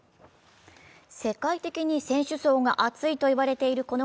世界的に選手層が厚いといわれている